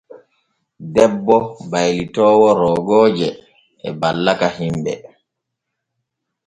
Debbo baylitoowo roogooje e ballaka himɓe.